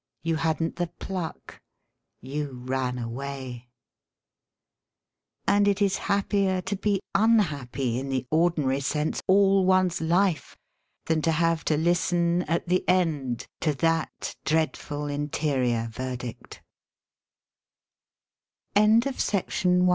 You hadn't the pluck. You ran away." And it is happier to be unhappy in the ordinary sense all one's life than to have to listen at the end to that dreadful inter